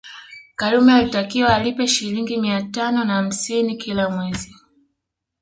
Karume alitakiwa alipe Shilingi mia tano na hamsini kila mwezi